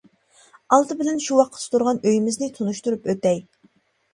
ئالدى بىلەن شۇ ۋاقىتتا تۇرغان ئۆيىمىزنى تونۇشتۇرۇپ ئۆتەي.